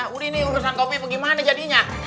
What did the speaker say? udah ini urusan kopi gimana jadinya